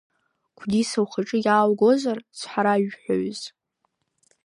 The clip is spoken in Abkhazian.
Гәдиса ухаҿы иааугозар, цҳаражәҳәаҩыс.